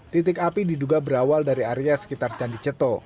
titik api diduga berawal dari area sekitar candi ceto